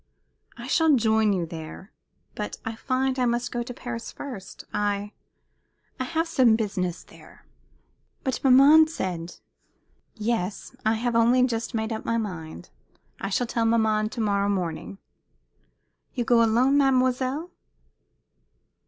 "I shall join you there. But I find I must go to Paris first. I I have some business there." "But maman said " "Yes, I have only just made up my mind. I shall tell maman to morrow morning," "You go alone, mademoiselle?"